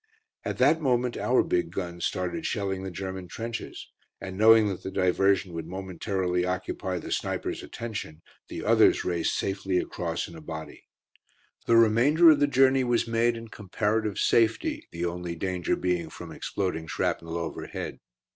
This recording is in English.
At that moment our big guns started shelling the German trenches, and knowing that the diversion would momentarily occupy the snipers' attention the others raced safely across in a body. The remainder of the journey was made in comparative safety, the only danger being from exploding shrapnel overhead.